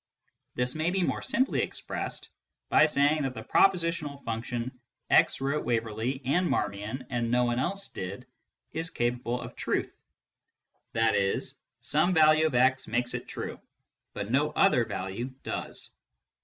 This may be more simply expressed by saying that the prepositional function " x wrote Waverley and Marmion, and no one else did " is capable of truth, i.e. some value of x makes it true, but no other value does.